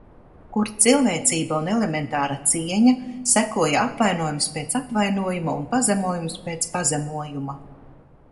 Kur cilvēcība un elementāra cieņa? Sekoja apvainojums pēc apvainojuma un pazemojums pēc pazemojuma.